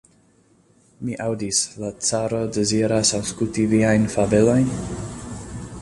Mi aŭdis, la caro deziras aŭskulti viajn fabelojn?